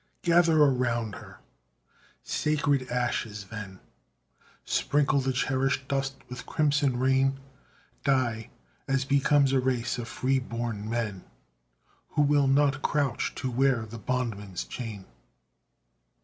Gather around her sacred ashes then, Sprinkle the cherished dust with crimson rain, Die! as becomes a race of free born men, Who will not crouch to wear the bondman's chain.